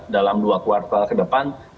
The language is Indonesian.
dalam dua kuartal ke depan